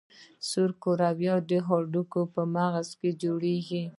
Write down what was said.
سره کرویات د هډوکو په مغز کې جوړېږي.